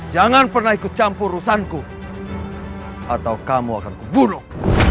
jangan pernah ikut campur urusanku atau kamu akan kubunuh